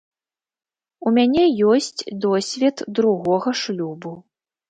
У мяне ёсць досвед другога шлюбу.